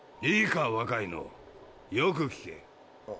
いいか若いのよく聞け。